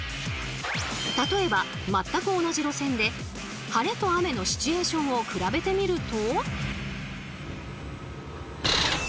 例えば全く同じ路線で晴れと雨のシチュエーションを比べてみると。